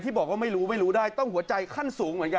บอกว่าไม่รู้ไม่รู้ได้ต้องหัวใจขั้นสูงเหมือนกัน